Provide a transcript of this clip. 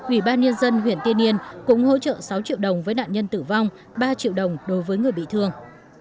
ủy ban nhân dân huyện tiên yên cũng hỗ trợ sáu triệu đồng với nạn nhân tử vong ba triệu đồng đối với người bị thương